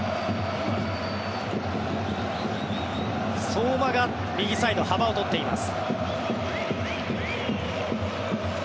相馬が右サイドで幅を取っています。